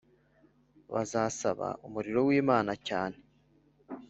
bazasaba umuriro wimana cyane.